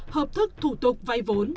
hợp thức thủ tục vay vốn